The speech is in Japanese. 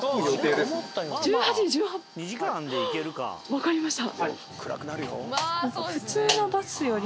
分かりました。